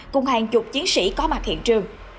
cùng hàng chục chiến sĩ có mặt hiện trường